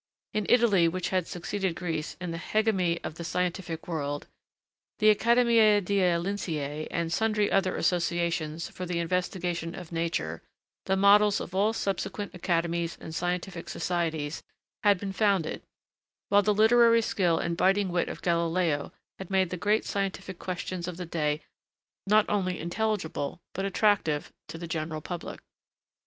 In Italy, which had succeeded Greece in the hegemony of the scientific world, the Accademia dei Lyncei and sundry other such associations for the investigation of nature, the models of all subsequent academies and scientific societies, had been founded, while the literary skill and biting wit of Galileo had made the great scientific questions of the day not only intelligible, but attractive, to the general public. [Sidenote: Francis Bacon.